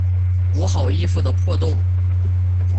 补好衣服的破洞